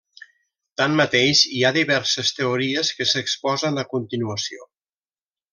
Tanmateix, hi ha diverses teories que s'exposen a continuació.